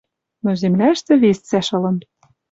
Но земляштӹ вес цӓш ылын